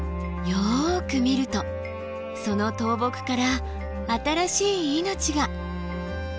よく見るとその倒木から新しい命が。